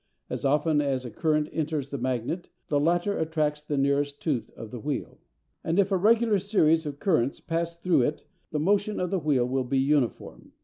As often as a current enters the magnet the latter attracts the nearest tooth of the wheel; and if a regular series of currents pass through it the motion of the wheel will be uniform.